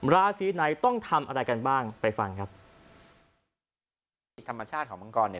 ราศีไหนต้องทำอะไรกันบ้างไปฟังครับที่ธรรมชาติของมังกรเนี่ย